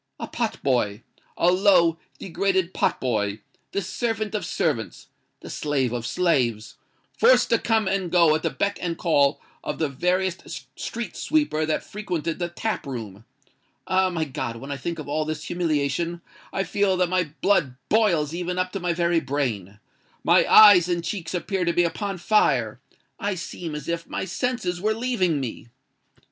A pot boy—a low, degraded pot boy: the servant of servants—the slave of slaves—forced to come and go at the beck and call of the veriest street sweeper that frequented the tap room! Ah! my God—when I think of all this humiliation, I feel that my blood boils even up to my very brain—my eyes and cheeks appear to be upon fire—I seem as if my senses were leaving me!"